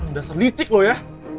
lo udah selicik lo ya